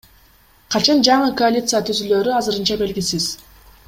Качан жаңы коалиция түзүлөөрү азырынча белгисиз.